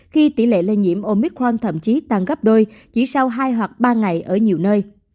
khi tỷ lệ lây nhiễm omicron thậm chí tăng gấp đôi chỉ sau hai hoặc ba ngày ở nhiều nơi